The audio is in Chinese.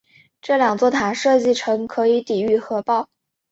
这两座塔设计成可以抵御核爆。